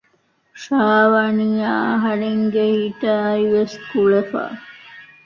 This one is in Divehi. ޝާވަނީ އަހަރެންގެ ހިތާއިވެސް ކުޅެފަ